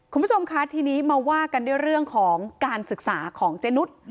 คุณผู้ชมคะทีนี้มาว่ากันด้วยเรื่องของการศึกษาของเจนุส